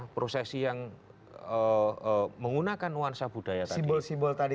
prosesi yang menggunakan nuansa budaya tadi